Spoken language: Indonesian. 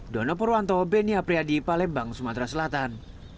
dono purwanto benia priadi palembang sumatera selatan